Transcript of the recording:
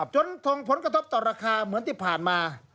ส่งผลกระทบต่อราคาเหมือนที่ผ่านมา